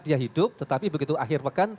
dia hidup tetapi begitu akhir pekan